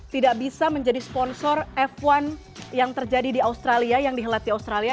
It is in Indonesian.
tidak bisa menjadi sponsor f satu yang terjadi di australia yang dihelati australia